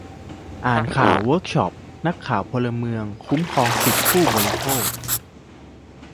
อ่านข่าวเวิร์กช็อปนักข่าวพลเมืองคุ้มครองสิทธิผู้บริโภค